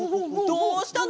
どうしたの！？